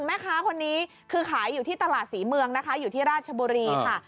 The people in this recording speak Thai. แม่ค้าคนนี้คือขายอยู่ที่ตลาดศรีเมืองนะคะอยู่ที่ราชบุรีค่ะ